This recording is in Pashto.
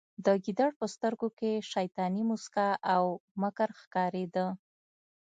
د ګیدړ په سترګو کې شیطاني موسکا او مکر ښکاریده